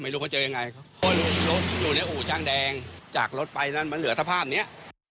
รถอยู่ในอู่ช่างแดงจากรถไปมันเหลือสภาพนี้